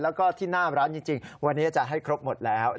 แล้วก็ที่หน้าร้านจริงวันนี้อาจารย์ให้ครบหมดแล้ว